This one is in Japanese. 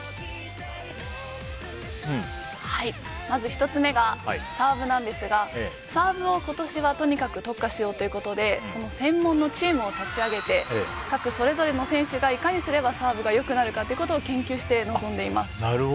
まず１つ目がサーブなんですがサーブを今年はとにかく特化しようということで専門のチームを立ち上げて各それぞれの選手がいかにすればサーブが良くなるか研究して臨んでいます。